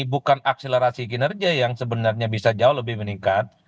bukan akselerasi kinerja yang sebenarnya bisa jauh lebih meningkat